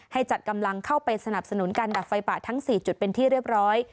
จัดกำลังเข้าไปสนับสนุนการดับไฟป่าทั้ง๔จุดเป็นที่เรียบร้อย